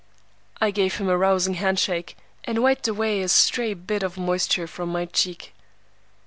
I gave him a rousing hand shake, and wiped away a stray bit of moisture from my cheek.